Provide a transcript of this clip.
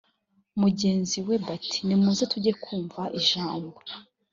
mugenzi we bati nimuze tujye kumva ijambo